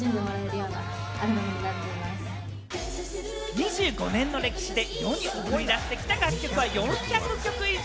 ２５年の歴史で世に送り出してきた楽曲は全部で４００曲以上。